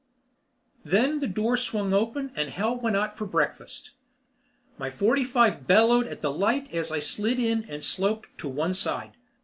Then the door swung open and hell went out for breakfast. My forty five bellowed at the light as I slid in and sloped to one side.